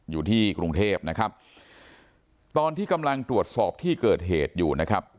อยู่ที่กรุงเทพนะครับตอนที่กำลังตรวจสอบที่เกิดเหตุอยู่นะครับ